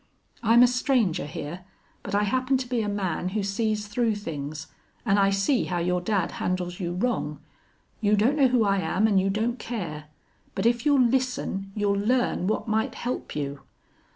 "I'm a stranger here. But I happen to be a man who sees through things, an' I see how your dad handles you wrong. You don't know who I am an' you don't care. But if you'll listen you'll learn what might help you....